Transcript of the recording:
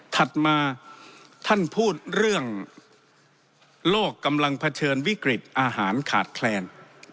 ถัดมาท่านพูดเรื่องโลกกำลังเผชิญวิกฤตอาหารขาดแคลน